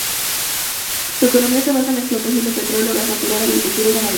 Su economía se basa en la explotación del petróleo, gas natural, agricultura y ganadería.